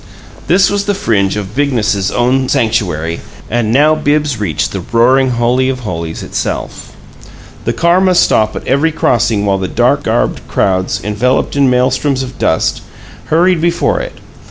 This was the fringe of Bigness's own sanctuary, and now Bibbs reached the roaring holy of holies itself. The car must stop at every crossing while the dark garbed crowds, enveloped in maelstroms of dust, hurried before it.